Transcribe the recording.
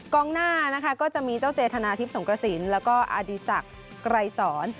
กองหน้านะคะก็จะมีเจ้าเจธนาทิพย์สงกระสินแล้วก็อดีศักดิ์ไกรสอน